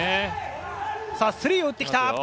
スリーを打ってきた。